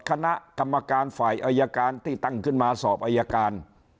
คณะกรรมการฝ่ายอายการที่ตั้งขึ้นมาสอบอายการ